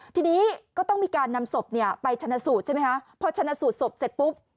ทีนี้ก็ต้องมีการนำศพไปชันสูจน์ใช่ไหมพอชันสูจน์ปุ๊บ